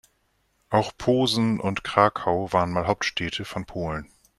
Auch Posen und Krakau waren mal Hauptstädte von Polen.